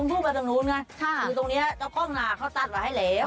คือตรงนี้เจ้าข้องหนากเขาตัดไว้ให้แล้ว